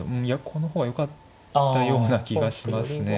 この方がよかったような気がしますね。